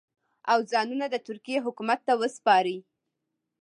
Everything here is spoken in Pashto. او ځانونه د ترکیې حکومت ته وسپاري.